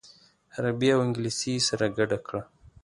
عربي او انګلیسي یې سره ګډه کړه.